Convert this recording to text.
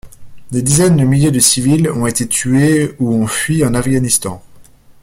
Des dizaines de milliers de civils ont été tués ou ont fui en Afghanistan.